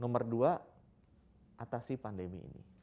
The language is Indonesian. nomor dua atasi pandemi ini